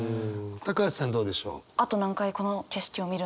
橋さんどうでしょう。